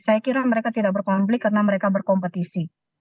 saya kira mereka tidak berkonflik karena mereka berkompetisi